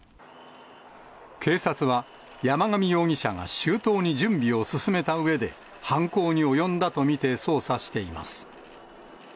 警察は、山上容疑者が周到に準備を進めたうえで、犯行に及んだと見て捜査しています。